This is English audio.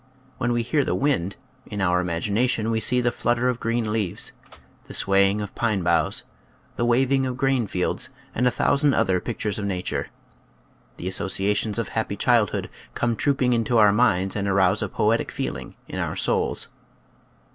When we hear the wind, in our imagination we see the flutter of green leaves, the swaying of pine boughs, the wav ing of grain fields, and a thousand other pic tures of nature. The associations of happy childhood come trooping into our minds and arouse a poetic feeling in our souls.